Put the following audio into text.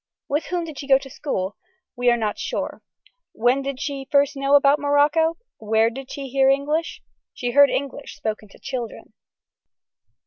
With whom did she go to school. We are not sure. When did she first know about Morocco. Where did she hear English. She heard English spoken to children.